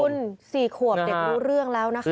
คุณ๔ขวบเด็กรู้เรื่องแล้วนะคะ